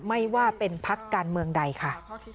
ไม่ว่าเป็นพักการเมืองใดค่ะ